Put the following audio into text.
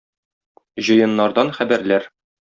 Җыеннардан хәбәрләр.